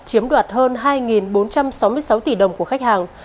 chiếm đoạt hơn hai bốn trăm sáu mươi sáu tỷ đồng của khách hàng